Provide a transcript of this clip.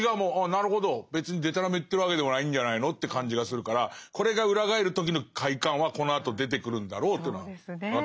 別にでたらめ言ってるわけでもないんじゃないの」って感じがするからこれが裏返る時の快感はこのあと出てくるんだろうというのは分かります。